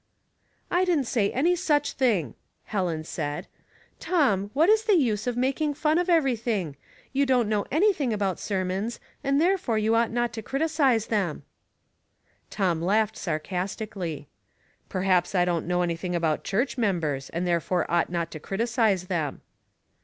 " I didn't say any such thing," Helen said, sharply. " Tom, what is the use of making fun of everything? You don't know anything about sermons, and therefore you ought not to criticise them." Mistakes — Qreat and Small. 137 Tom laughed sarcastically. Perhaps I don't know anything about church mem bars, and therefore ought not to criticise them."